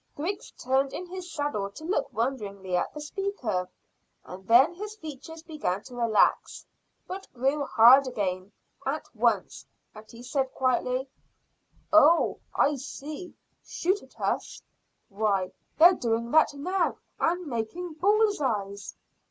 Griggs turned in his saddle to look wonderingly at the speaker, and then his features began to relax, but grew hard again at once, and he said quietly "Oh, I see shoot at us. Why, they're doing that now, and making bulls' eyes."